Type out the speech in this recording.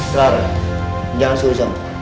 clara jangan susah